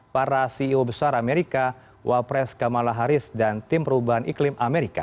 para ceo besar amerika wapres kamala harris dan tim perubahan iklim amerika